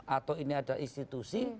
atau ini adalah institusi